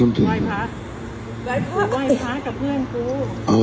มาไหว้ภาค